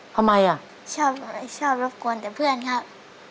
ทำไมละชอบรบกวนแต่เพื่อนครับ